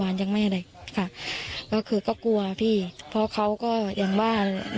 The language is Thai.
อายุ๑๐ปีนะฮะเขาบอกว่าเขาก็เห็นถูกยิงนะครับ